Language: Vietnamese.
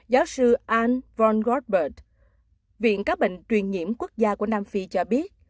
giáo sư anne von goldberg viện các bệnh truyền nhiễm quốc gia của nam phi cho biết